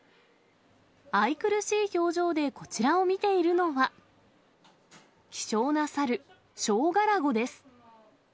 愛くるしい表情でこちらを見ているのは、希少な猿、ショウガラゴです。